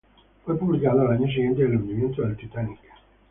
Fue publicado el año siguiente al hundimiento del Titanic.